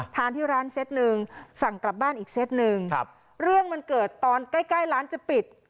ทานที่ร้านเซตหนึ่งสั่งกลับบ้านอีกเซตหนึ่งครับเรื่องมันเกิดตอนใกล้ใกล้ร้านจะปิด